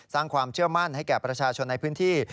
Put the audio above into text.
สร้างความเชื่อมั่นให้แก่ประชาชนในพื้นที่